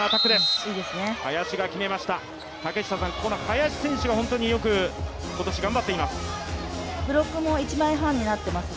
林選手が本当によく今年頑張っています。